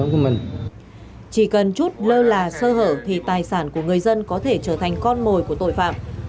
chỉ cần chút lơ là sơ hở thì tài sản của người dân có thể trở thành con mồi của tội phạm